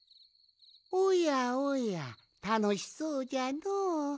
おやおやたのしそうじゃのう。